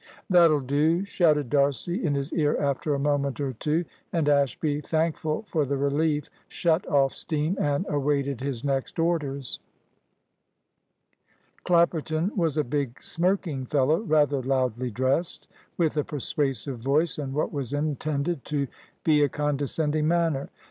"That'll do," shouted D'Arcy in his ear after a moment or two, and Ashby, thankful for the relief, shut off steam and awaited his next orders. Clapperton was a big, smirking fellow, rather loudly dressed, with a persuasive voice and what was intended to be a condescending manner.